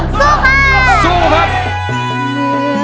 สู้สู้สู้